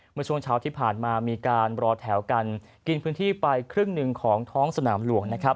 เมื่อช่วงเช้าที่ผ่านมามีการรอแถวกันกินพื้นที่ไปครึ่งหนึ่งของท้องสนามหลวงนะครับ